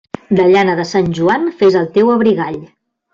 De llana de Sant Joan fes el teu abrigall.